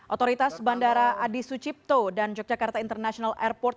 otoritas bandara adi sucipto dan yogyakarta international airport